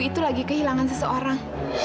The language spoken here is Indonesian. itu lagi kehilangan seseorang